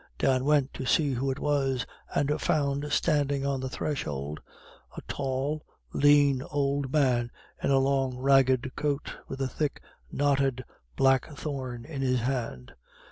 Dan went to see who it was, and found standing on the threshold a tall, lean old man in a long, ragged coat, with a thick, knotted blackthorn in his hand.